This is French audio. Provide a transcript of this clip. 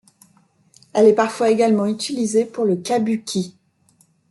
Elle est parfois également utilisée pour le kabuki.